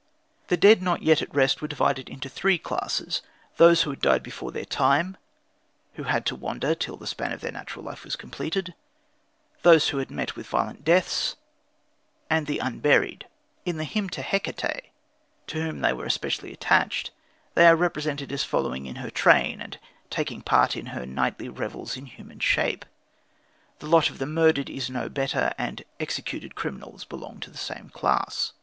The dead not yet at rest were divided into three classes those who had died before their time, the [Greek: aôroi], who had to wander till the span of their natural life was completed; those who had met with violent deaths, the [Greek: biaiothanatoi]; and the unburied, the [Greek: ataphoi]. In the Hymn to Hecate, to whom they were especially attached, they are represented as following in her train and taking part in her nightly revels in human shape. The lot of the murdered is no better, and executed criminals belong to the same class.